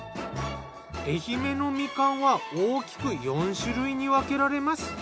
愛媛のみかんは大きく４種類に分けられます。